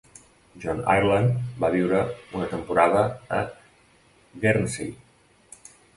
John Ireland va viure una temporada a Guernsey.